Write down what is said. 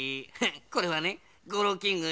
これはねゴロウキング１ごう。